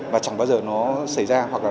và chẳng bao giờ nó xảy ra hoặc là